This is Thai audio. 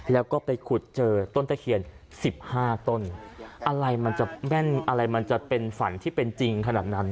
แล้วก็ไปขุดเจอต้นตะเคียน๑๕ต้นอะไรมันจะเป็นฝันที่เป็นจริงขนาดนั้น